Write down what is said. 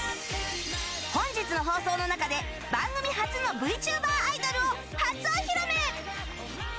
本日の放送の中で、番組発のＶＴｕｂｅｒアイドルを初お披露目！